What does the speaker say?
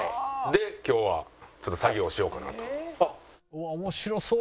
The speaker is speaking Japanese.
で今日はちょっと作業しようかなと。